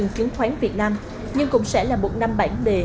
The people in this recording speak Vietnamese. chứng khoán việt nam nhưng cũng sẽ là một năm bản đề